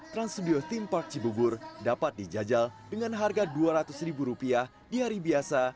trans studio theme park cibubur dapat dijajal dengan harga dua ratus ribu rupiah di hari biasa